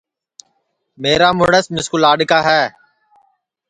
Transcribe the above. میرا مُرس مِسکُو لاڈؔکا ہے